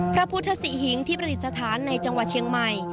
พระพุทธศรีหิงที่ประดิษฐานในจังหวัดเชียงใหม่